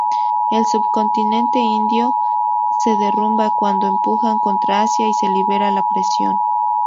El subcontinente indio se derrumba cuando empuja contra Asia y se libera la presión.